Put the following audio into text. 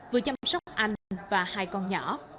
vừa chăm sóc anh và hai con nhỏ